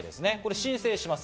申請します。